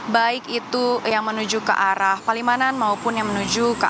baik itu yang menuju ke arah palimanan maupun yang menuju ke